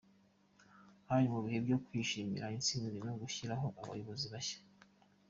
Hari mu bihe byo kwishimira intsinzi no gushyiraho abayobozi bashya.